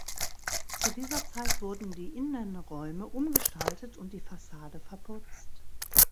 Zu dieser Zeit wurden die Innenräume umgestaltet und die Fassade verputzt.